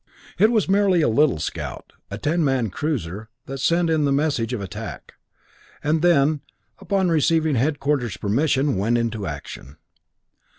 It was merely a little scout, a ten man cruiser, that sent in the message of attack, and then, upon receiving headquarters' permission, went into action.